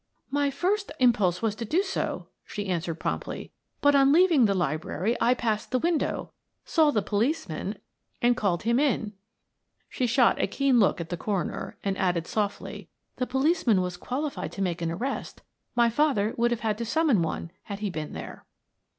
"My first impulse was to do so," she answered promptly. "But on leaving the library I passed the window, saw the policeman, and called him in." She shot a keen look at the coroner, and added softly, "The policeman was qualified to make an arrest; my father would have had to summon one had he been there."